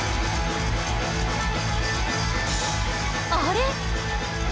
あれ？